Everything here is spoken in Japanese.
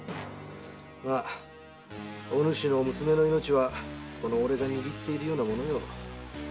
だがお主の娘の命はこの俺が握っているようなものよ。